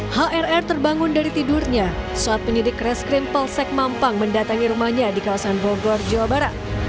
hrr terbangun dari tidurnya saat penyidik reskrim polsek mampang mendatangi rumahnya di kawasan bogor jawa barat